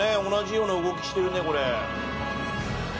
同じような動きしてるねこれ。